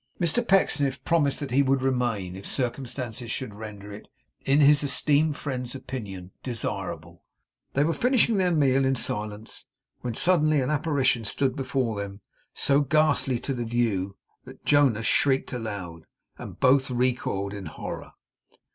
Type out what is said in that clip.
Mr Pecksniff promised that he would remain, if circumstances should render it, in his esteemed friend's opinion, desirable; they were finishing their meal in silence, when suddenly an apparition stood before them, so ghastly to the view that Jonas shrieked aloud, and both recoiled in horror.